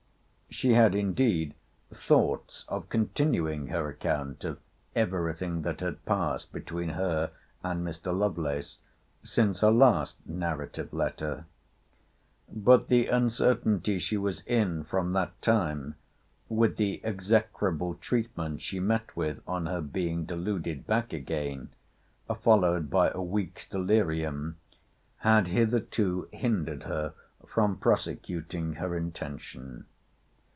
She had indeed thoughts of continuing her account of every thing that had passed between her and Mr. Lovelace since her last narrative letter. But the uncertainty she was in from that time, with the execrable treatment she met with on her being deluded back again, followed by a week's delirium, had hitherto hindered her from prosecuting her intention.